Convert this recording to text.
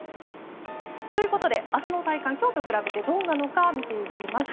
ということで、明日の体感は今日と比べてどうなのか見ていきます。